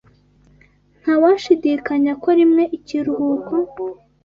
Nta washidikanya ko rimwe ikiruhuko